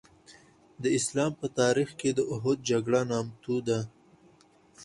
د اسلام په تاریخ کې د اوحد جګړه نامتو ده.